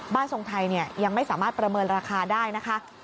ทรงไทยยังไม่สามารถประเมินราคาได้นะคะ